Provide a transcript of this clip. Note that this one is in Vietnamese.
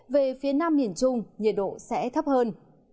về phía nam miền trung nhiệt độ sẽ thấp hơn